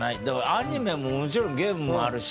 アニメももちろんゲームもあるし